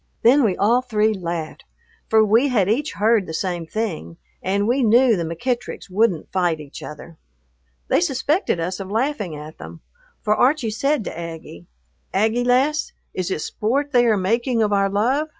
Then we all three laughed, for we had each heard the same thing, and we knew the McEttricks wouldn't fight each other. They suspected us of laughing at them, for Archie said to Aggie, "Aggie, lass, is it sport they are making of our love?"